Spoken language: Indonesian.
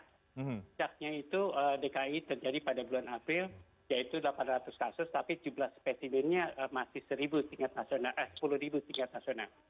sejaknya itu dki terjadi pada bulan april yaitu delapan ratus kasus tapi jumlah spesimennya masih sepuluh tingkat nasional